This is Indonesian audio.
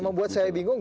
membuat saya bingung